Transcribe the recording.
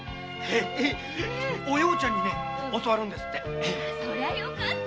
お葉ちゃんに教わるんですって。